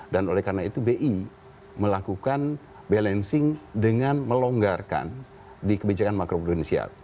dan oleh karena itu bi melakukan balancing dengan melonggarkan di kebijakan makrofinansial